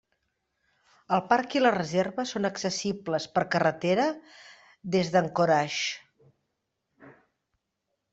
El parc i la reserva són accessibles per carretera des d'Anchorage.